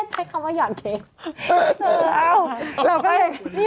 ใช้คำว่าหยอดเค้ก